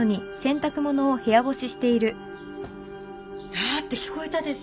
ザーって聞こえたでしょ。